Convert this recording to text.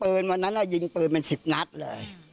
ปืนวันนั้นอ่ะยิงปืนเป็น๑๐นัตกิโลกใจ้เลย